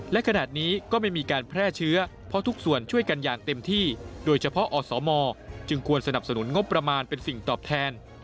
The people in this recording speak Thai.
และขณะนี้ก็ไม่มีการแพร่เชื้อเพราะทุกส่วนช่วยกันอย่างเต็มที่โดยเฉพาะอสมจึงควรสนับสนุนงบประมาณเป็นสิ่งตอบแทน